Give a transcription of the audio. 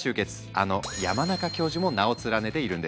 あの山中教授も名を連ねているんです。